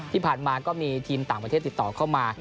ที่ผ่านมาก็มีทีมต่างประเทศติดต่อเข้ามา